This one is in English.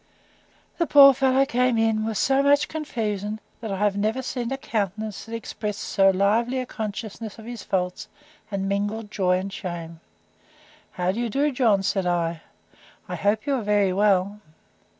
The poor fellow came in, with so much confusion, that I have never seen a countenance that expressed so lively a consciousness of his faults, and mingled joy and shame. How do you do, John? said I; I hope you are very well!